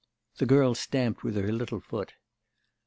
The girl stamped with her little foot.